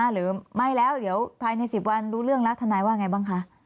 หรือไม่แล้วเดี๋ยวภายใน๑๐วันรู้เรื่องแล้วทนายว่าไงบ้างคะ